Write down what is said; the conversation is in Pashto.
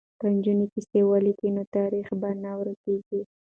که نجونې کیسې ولیکي نو تاریخ به نه ورکيږي.